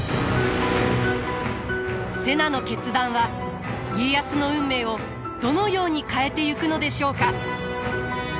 瀬名の決断は家康の運命をどのように変えてゆくのでしょうか？